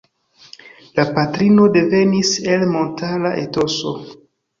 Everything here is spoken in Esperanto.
La patrino devenis el montara etoso.